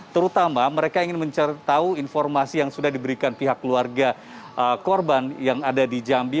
terutama mereka ingin mencari tahu informasi yang sudah diberikan pihak keluarga korban yang ada di jambi